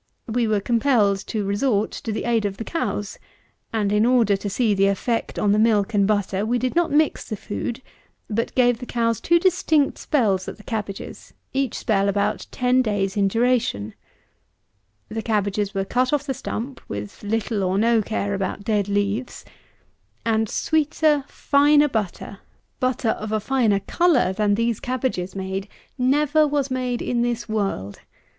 We were compelled to resort to the aid of the cows; and, in order to see the effect on the milk and butter, we did not mix the food; but gave the cows two distinct spells at the cabbages, each spell about 10 days in duration. The cabbages were cut off the stump with little or no care about dead leaves. And sweeter, finer butter, butter of a finer colour, than these cabbages made, never was made in this world.